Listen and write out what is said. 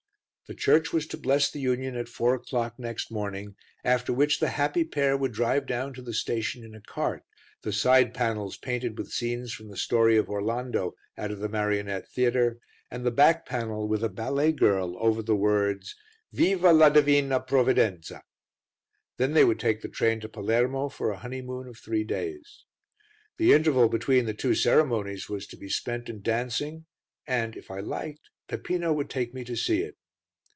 The church was to bless the union at four o'clock next morning, after which the happy pair would drive down to the station in a cart, the side panels painted with scenes from the story of Orlando out of the marionette theatre, and the back panel with a ballet girl over the words "Viva la Divina Provvidenza." Then they would take the train to Palermo for a honeymoon of three days. The interval between the two ceremonies was to be spent in dancing and, if I liked, Peppino would take me to see it.